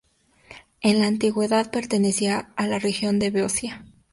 En la antigüedad pertenecía a la región de Beocia.